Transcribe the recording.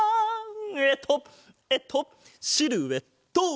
えっとえっとシルエット！